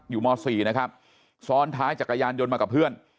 ม๔นะครับซ้อนท้ายจักรยานยนต์มากับเพื่อน